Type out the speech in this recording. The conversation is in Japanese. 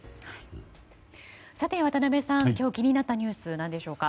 渡辺さん、今日気になったニュースは何でしょうか。